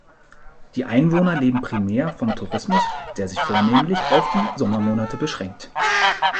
Die Einwohner leben primär vom Tourismus, der sich vornehmlich auf die Sommermonate beschränkt.